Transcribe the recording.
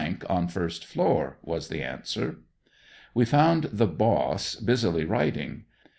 on first floor," was the answer. We found the "boss" busily writing.